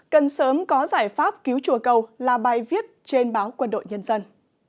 cần sớm có giải pháp cứu chùa cầu là bài viết trên báo quân đội nhân dân